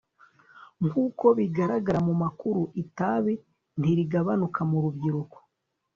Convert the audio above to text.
nkuko bigaragara mu makuru, itabi ntirigabanuka mu rubyiruko